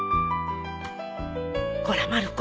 こらまる子。